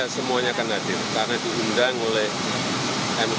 semuanya akan hadir karena diundang oleh mui